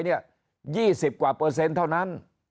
๒๐กว่าเปอร์เซ็นต์เท่านั้น